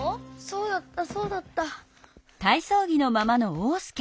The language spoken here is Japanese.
そうだったそうだった。